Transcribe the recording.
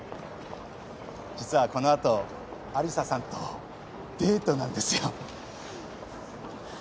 実はこの後有沙さんとデートなんですよ。